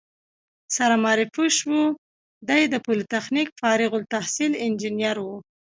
سره معرفي شوو، دی د پولتخنیک فارغ التحصیل انجینر و.